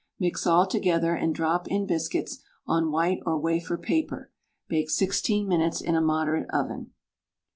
Mix all together, and drop in biscuits on white or wafer paper. Bake 16 minutes in a moderate oven.